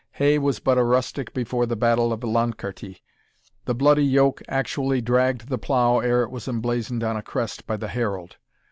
Hay was but a rustic before the battle of Loncarty the bloody yoke actually dragged the plough ere it was emblazoned on a crest by the herald.